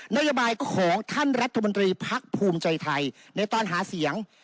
นโยบายของท่านรัฐมนตรีพักภูมิใจไทยในตอนหาเสียง